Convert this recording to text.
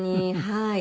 はい。